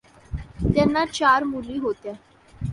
त्यांना चार मुली होत्या.